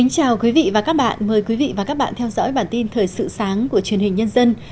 chào mừng quý vị đến với bản tin thời sự sáng của truyền hình nhân dân